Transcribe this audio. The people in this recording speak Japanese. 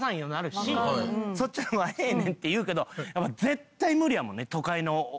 そっちの方がええねんって言うけど絶対無理やもんね都会の母親は。